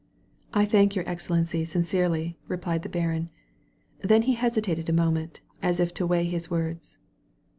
"I thank your Excellency sincerely," replied the baron. Then he hesitated a moment, as if to weigh his words.